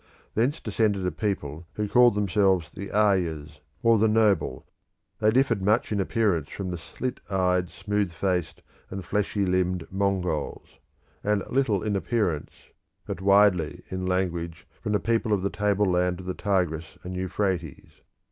Thence descended a people who called themselves the Aryas, or "the noble"; they differed much in appearance from the slit eyed, smooth faced, and fleshy limbed Mongols; and little in appearance, but widely in language, from the people of the tableland of the Tigris and Euphrates.